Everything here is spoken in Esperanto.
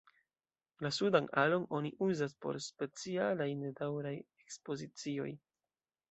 La sudan alon oni uzas por specialaj, nedaŭraj ekspozicioj.